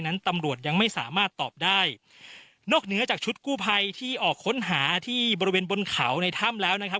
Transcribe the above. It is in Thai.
นั้นตำรวจยังไม่สามารถตอบได้นอกเหนือจากชุดกู้ภัยที่ออกค้นหาที่บริเวณบนเขาในถ้ำแล้วนะครับ